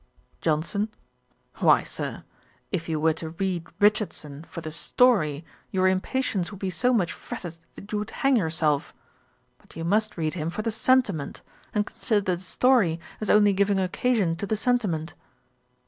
JOHNSON. 'Why, Sir, if you were to read Richardson for the story, your impatience would be so much fretted that you would hang yourself. But you must read him for the sentiment, and consider the story as only giving occasion to the sentiment.'